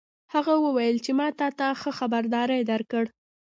هغه وویل چې ما تا ته ښه خبرداری درکړ